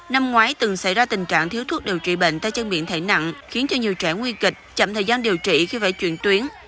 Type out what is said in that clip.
năm ngoái từng xảy ra tình trạng thiếu thuốc điều trị bệnh tay chân miệng thảy nặng khiến cho nhiều trẻ nguy kịch chậm thời gian điều trị khi phải chuyển tuyến